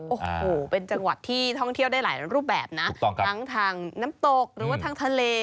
โอ้โหเป็นจังหวัดที่ท่องเที่ยวได้หลายรูปแบบนะถูกต้องครับทั้งทางน้ำตกหรือว่าทางทะเล